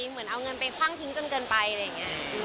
เหมือนเอาเงินไปคว่างทิ้งจนเกินไปอะไรอย่างนี้